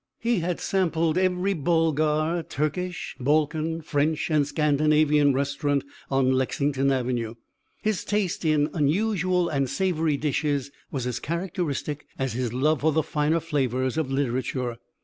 He had sampled every Bulgar, Turkish, Balkan, French, and Scandinavian restaurant on Lexington Avenue. His taste in unusual and savoury dishes was as characteristic as his love for the finer flavours of literature.